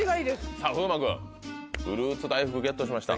さぁ風磨君フルーツ大福ゲットしました。